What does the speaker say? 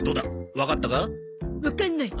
わかんない。